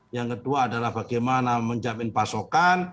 yang kedua adalah bagaimana menjamin pasokan